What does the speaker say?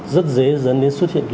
rất dễ dẫn đến xuất hiện